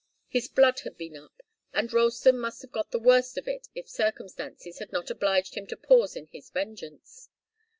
His blood had been up, and Ralston must have got the worst of it if circumstances had not obliged him to pause in his vengeance.